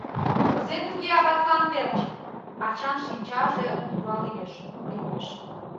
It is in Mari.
— Кузе туге аватлан верч? — ачан шинчаже тура лиеш, кугемеш.